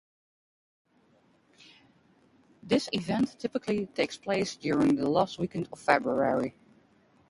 This event typically takes place during the last weekend of February.